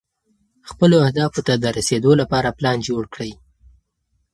خپلو اهدافو ته د رسېدو لپاره پلان جوړ کړئ.